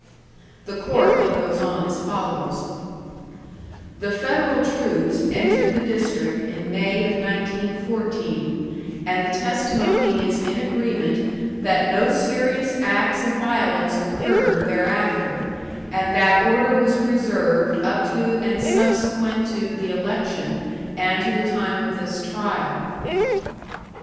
The Court then goes on as follows: "The Federal troops entered the district in May of 1914, and the testimony is in agreement that no serious acts of violence occurred thereafter, and that order was preserved up to and subsequent to the election, and to the time of this trial.